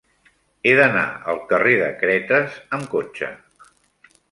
He d'anar al carrer de Cretes amb cotxe.